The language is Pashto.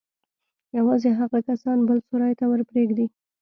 يوازې هغه کسان بل سراى ته ورپرېږدي.